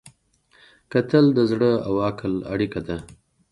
کتل د زړه او عقل اړیکه ده